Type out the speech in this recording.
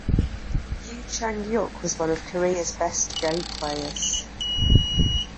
Yoo Changhyuk was one of Korea's best Go players.